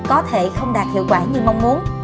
có thể không đạt hiệu quả như mong muốn